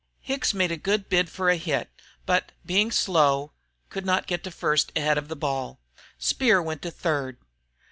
Hicks made a good bid for a hit, but, being slow, could not get to first ahead of the ball. Speer went to third.